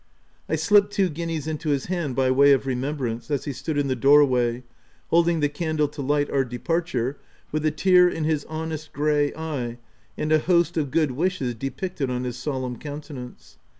I slipped two guineas into his hand, by way of remembrance, as he stood in the door way, holding the candle to light our departure, with a tear in his honest grey eye and a host of good wishes depicted on his solemn countenance.